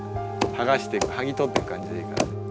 はがしていくはぎとっていく感じでいいから。